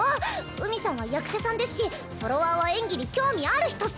海さんは役者さんですしフォロワーは演技に興味ある人っス。